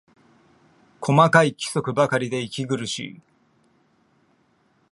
細かい規則ばかりで息苦しい